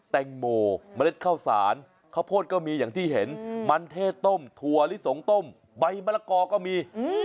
แตงโมเมล็ดข้าวสารข้าวโพดก็มีอย่างที่เห็นมันเท่ต้มถั่วลิสงต้มใบมะละกอก็มี